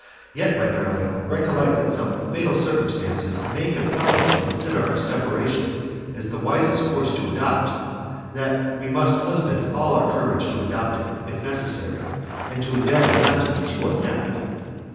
Yet, my darling, recollect that some fatal circumstances may compel us to consider our separation as the wisest course to adopt, that we must husband all our courage to adopt it, if necessary, and to endeavour not to be too unhappy.